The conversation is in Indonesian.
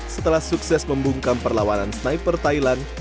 setelah sukses membungkam perlawanan sniper thailand